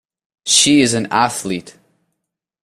She is an Athlete.